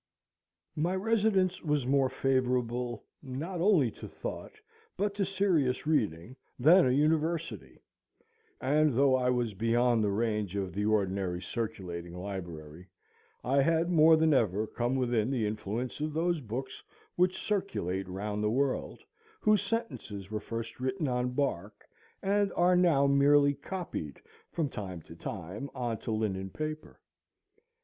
My residence was more favorable, not only to thought, but to serious reading, than a university; and though I was beyond the range of the ordinary circulating library, I had more than ever come within the influence of those books which circulate round the world, whose sentences were first written on bark, and are now merely copied from time to time on to linen paper.